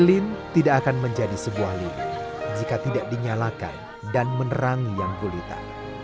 lilin tidak akan menjadi sebuah lini jika tidak dinyalakan dan menerangi yang gulita